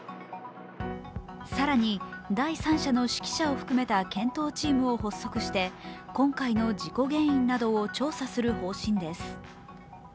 更に、第三者の識者を含めた検討チームを発足していて、今回の事故原因などを調査する方針です。